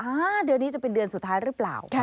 เดือนนี้จะเป็นเดือนสุดท้ายหรือเปล่า